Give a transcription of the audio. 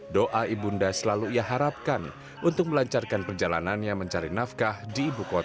doa ibunda selalu ia harapkan untuk melancarkan perjalanannya mencari nafkah di ibu kota